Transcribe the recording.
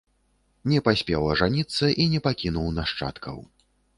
Не паспеў ажаніцца і не пакінуў нашчадкаў.